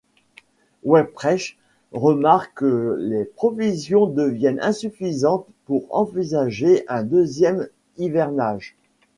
Weyprecht remarque que les provisions deviennent insuffisantes pour envisager un deuxième hivernage.